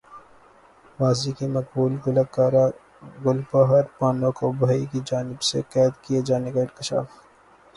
ماضی کی مقبول گلوکارہ گل بہار بانو کو بھائی کی جانب سے قید کیے جانے کا انکشاف